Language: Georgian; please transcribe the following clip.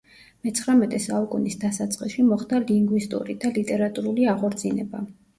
მეცხრამეტე საუკუნის დასაწყისში მოხდა ლინგვისტური და ლიტერატურული აღორძინება.